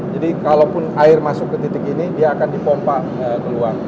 jadi kalaupun air masuk ke titik ini dia akan dipompa keluar